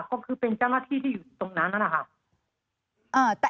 ก็คือเป็นเจ้าหน้าที่ที่อยู่ตรงนั้นนั่นแหละค่ะ